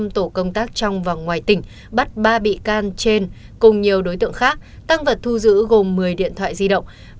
năm tổ công tác trong và ngoài tỉnh bắt ba bị can trên cùng nhiều đối tượng khác tăng vật thu giữ gồm một mươi điện thoại di động